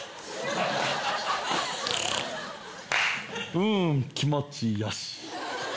うん気持ちよし。